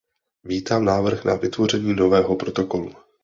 Vítám návrh na vytvoření nového protokolu.